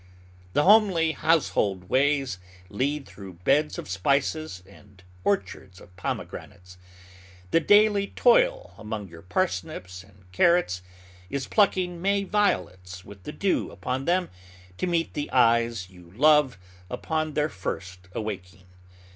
The homely household ways lead through beds of spices and orchards of pomegranates. The daily toil among your parsnips and carrots is plucking May violets with the dew upon them to meet the eyes you love upon their first awaking.